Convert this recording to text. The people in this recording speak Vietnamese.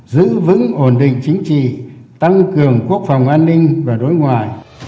giữ vững ổn định chính trị tăng cường quốc phòng an ninh và đối ngoại